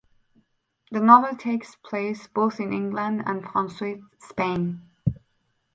The novel takes place both in England and Francoist Spain.